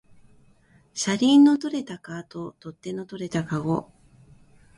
車輪の取れたカート、取っ手の取れたかご